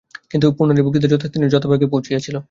কিন্তু পূর্ণর এই বক্তৃতা যথাস্থানে যথাবেগে গিয়া পৌঁছিল।